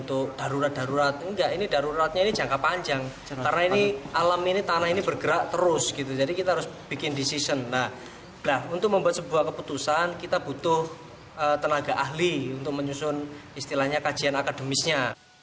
untuk tenaga ahli untuk menyusun istilahnya kajian akademisnya